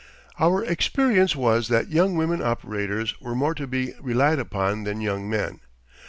Our experience was that young women operators were more to be relied upon than young men.